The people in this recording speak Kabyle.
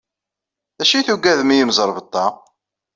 D acu ay tuggadem i imẓerbeḍḍa?